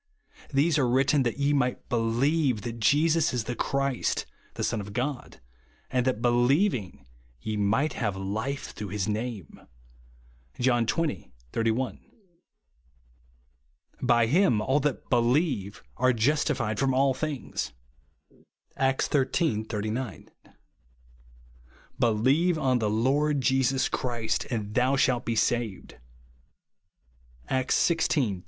These are written that ye might helieve that Jesus is the Christ, the Son of God, and that helieving, ye might have life through his name," (John xx. 31). " By him all that helierue are justified from all things," (Acts xiii. 89). " Believe on the Lord Jesus Christ, and thou shalt be saved/' (Acts xvi. 31).